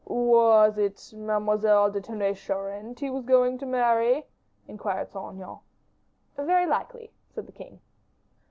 "Was it Mademoiselle de Tonnay Charente he was going to marry?" inquired Saint Aignan. "Very likely," said the king.